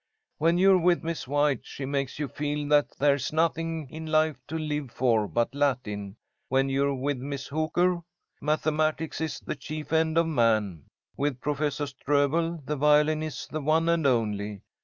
When you're with Miss White, she makes you feel that there's nothing in life to live for but Latin. When you're with Miss Hooker, mathematics is the chief end of man. With Professor Stroebel the violin is the one and only.